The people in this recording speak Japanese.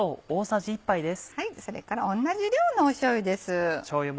それから同じ量のしょうゆです。